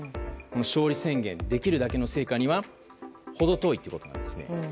勝利宣言をできるだけの成果には程遠いということです。